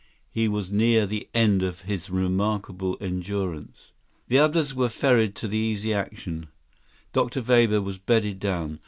He was near the end of his remarkable endurance. The others were ferried to the Easy Action. Dr. Weber was bedded down.